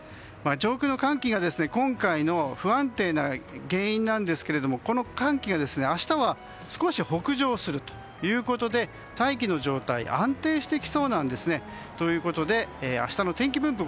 上空の寒気が今回の不安定な原因なんですがこの寒気が明日は少し北上するということで大気の状態安定してきそうなんですね。ということで、明日の天気分布